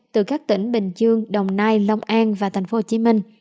từ các tỉnh bình dương đồng nai lông an và tp hcm